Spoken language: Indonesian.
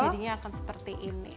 jadinya akan seperti ini